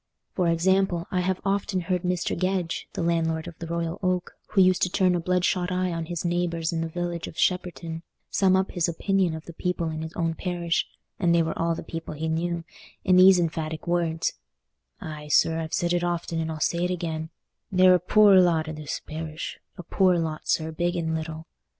For example, I have often heard Mr. Gedge, the landlord of the Royal Oak, who used to turn a bloodshot eye on his neighbours in the village of Shepperton, sum up his opinion of the people in his own parish—and they were all the people he knew—in these emphatic words: "Aye, sir, I've said it often, and I'll say it again, they're a poor lot i' this parish—a poor lot, sir, big and little."